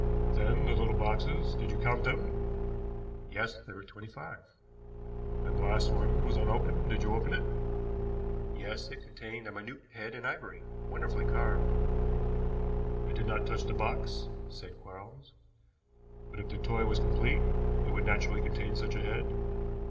"Then the little boxes; did you count them?" "Yes, there were twenty five." "And the last one was unopened; did you open it?" "Yes; it contained a minute head in ivory, wonderfully carved." "I did not touch the box," said Quarles, "but if the toy was complete it would naturally contain such a head.